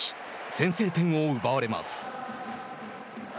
先制点を奪われます。